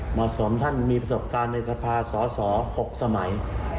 หมอสมท่านมีประสบการณ์ในศาสตราศศ๖สมัย